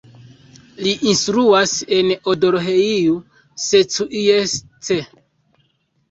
Li instruas en Odorheiu Secuiesc.